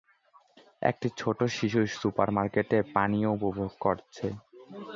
একটি ছোট শিশু সুপারমার্কেটে পানীয় উপভোগ করছে।